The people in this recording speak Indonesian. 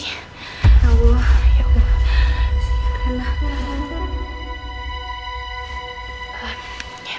ya allah ya allah